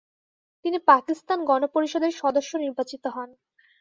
তিনি পাকিস্তান গণপরিষদের সদস্য নির্বাচিত হন।